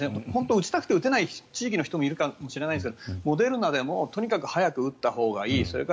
本当に打ちたくて打てない地域の人もいるかもしれないですがモデルナでもとにかく早く打ったほうがいい。